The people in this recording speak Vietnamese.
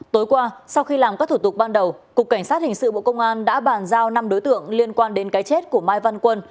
tối qua sau khi làm các thủ tục ban đầu cục cảnh sát hình sự bộ công an đã bàn giao năm đối tượng liên quan đến cái chết của mai văn quân